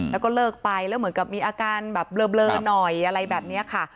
แล้วก็เลิกไปแล้วเหมือนกับมีอาการแบบเบลอหน่อยอะไรแบบนี้ค่ะ